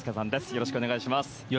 よろしくお願いします。